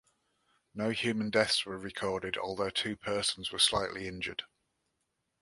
No human deaths were recorded, although two persons were slightly injured.